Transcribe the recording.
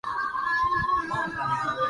یے فوج ہے